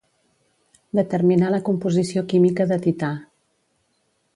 Determinar la composició química de Tità.